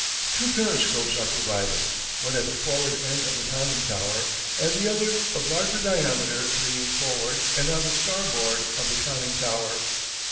Two periscopes are provided; one at the forward end of the conning tower, and the other, of larger diameter, being forward and on the starboard of the conning tower.